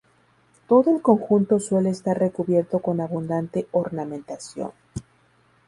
Todo el conjunto suele estar recubierto con abundante ornamentación.